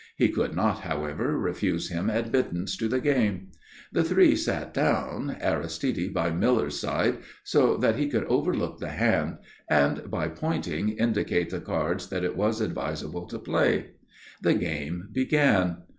He could not, however, refuse him admittance to the game. The three sat down, Aristide by Miller's side, so that he could overlook the hand and, by pointing, indicate the cards that it was advisable to play. The game began.